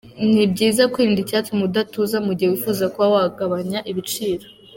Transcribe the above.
Ni byiza kwirinda icyatuma udatuza mu gihe wifuza kuba wagabanya ibiro.